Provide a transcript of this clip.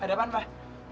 ada apa pak